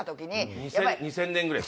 ２０００年ぐらいです。